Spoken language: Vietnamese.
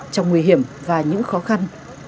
trong nguy hiểm và những khó khăn